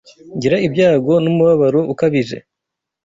Ngira ibyago n’umubabaro ukabije